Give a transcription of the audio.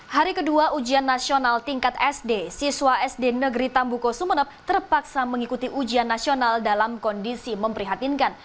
hari kedua ujian nasional tingkat sd siswa sd negeri tambuko sumeneb terpaksa mengikuti ujian nasional dalam kondisi memprihatinkan